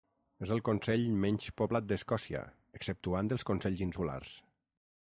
És el consell menys poblat d'Escòcia, exceptuant els consells insulars.